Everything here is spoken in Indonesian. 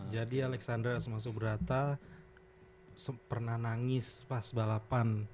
jadi alexandra asma subrata pernah nangis pas balapan